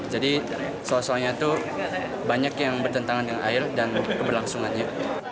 jadi soal soalnya itu banyak yang bertentangan dengan air dan keberlangsungannya